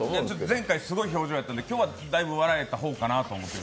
前回すごい表情だったので、今日は、だいぶ笑えた方かなと。